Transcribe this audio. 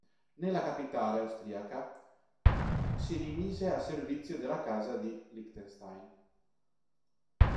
Nella capitale austriaca si rimise al servizio della Casa di Liechtenstein.